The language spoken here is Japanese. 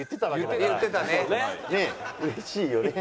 うれしいよね？